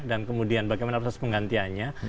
kemudian bagaimana proses penggantiannya